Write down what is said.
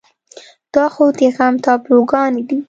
دا خو د غم تابلوګانې دي.